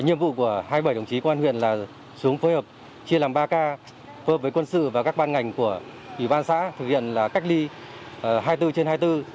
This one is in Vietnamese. nhiệm vụ của hai mươi bảy đồng chí công an huyện là xuống phối hợp chia làm ba k phối hợp với quân sự và các ban ngành của ủy ban xã thực hiện là cách ly hai mươi bốn trên hai mươi bốn